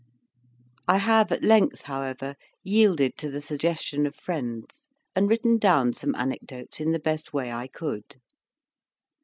I have at length, however, yielded to the suggestion of friends, and written down some anecdotes in the best way I could.